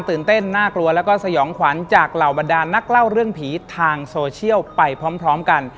ตื่นเต้นน่ากลัวแล้วก็สยองขวัญจากเหล่าบรรดานนักเล่าเรื่องผีทางโซเชียลไปพร้อมกัน